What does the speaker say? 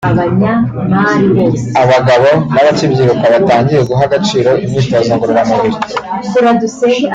abagabo n’abakibyiruka batangiye guha agaciro imyitozo ngororamubiri